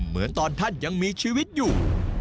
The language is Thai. เหมือนตอนท่านยังมีชีวิตอยู่